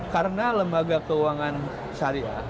karena lembaga keuangan syariah